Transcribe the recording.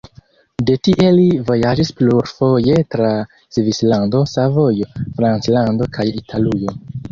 De tie li vojaĝis plurfoje tra Svislando, Savojo, Franclando kaj Italujo.